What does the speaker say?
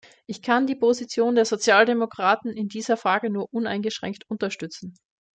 Ich kann die Position der Sozialdemokraten in dieser Frage nur uneingeschränkt unterstützen.